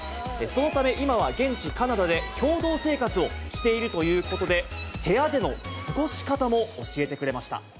そのため、今は現地カナダで、共同生活をしているということで、部屋での過ごし方も教えてくれました。